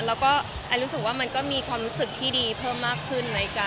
แล้วก็แอนรู้สึกว่ามันก็มีความรู้สึกที่ดีเพิ่มมากขึ้น